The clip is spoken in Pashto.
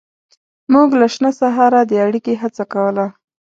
موږ له شنه سهاره د اړیکې هڅه کوله.